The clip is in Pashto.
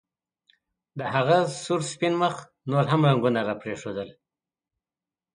د هغه سور سپین مخ نور هم رنګونه راپرېښودل